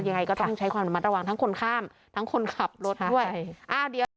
ยังไงก็ต้องใช้ความระวังทั้งคนข้ามทั้งคนขับรถด้วยใช่อ่าเดี๋ยว